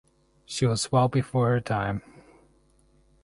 She was well before her time.